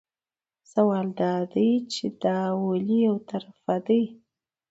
سوال دا دی چې دا ولې یو طرفه دي.